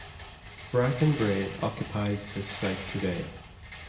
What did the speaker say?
Bracken Brae occupies this site today.